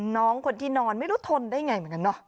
น้องคนที่นอนไม่รู้ทนได้ไงเหมือนกันเนาะ